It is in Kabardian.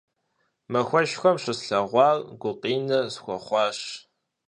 Махуэшхуэм щыслъэгъуар гукъинэ схуэхъуащ.